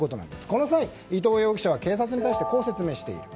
この際、伊藤容疑者は警察に対してこう説明しています。